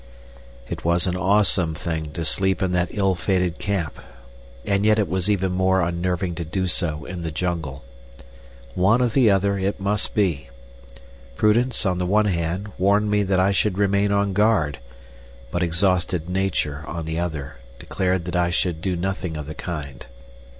It was an awesome thing to sleep in that ill fated camp; and yet it was even more unnerving to do so in the jungle. One or the other it must be. Prudence, on the one hand, warned me that I should remain on guard, but exhausted Nature, on the other, declared that I should do nothing of the kind.